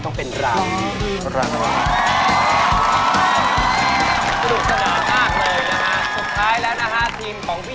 ต้องเป็นรางนี้